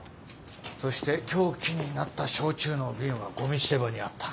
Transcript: そして凶器になった焼酎の瓶はゴミ捨て場にあった。